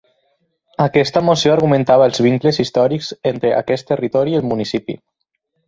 Aquesta moció argumentava els vincles històrics entre aquest territori i el municipi.